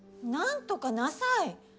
なんとかなさい！